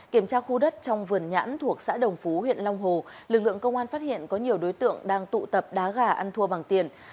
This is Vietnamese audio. kiểm tra khu đất trong vườn nhãn thuộc xã đồng phú huyện long hồ lực lượng công an phát hiện có nhiều đối tượng đang tụ tập đá gà ăn thua bằng tiền